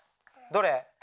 どれ？